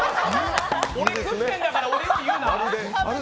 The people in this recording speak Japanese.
俺食ってんだから、俺より言うな！